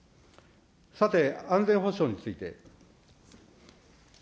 さて、安全保障について。